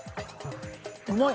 うまい！